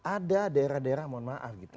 ada daerah daerah mohon maaf gitu